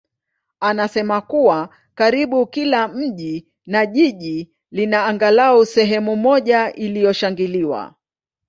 anasema kuwa karibu kila mji na jiji lina angalau sehemu moja iliyoshangiliwa.